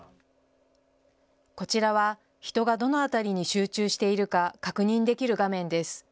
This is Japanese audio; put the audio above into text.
こちらは人がどの辺りに集中しているか確認できる画面です。